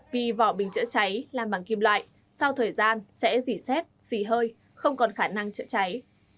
vì vỏ bình chữa cháy làm bằng kim loại sau thời gian sẽ dỉ xét xỉ hơi không còn khả năng chữa cháy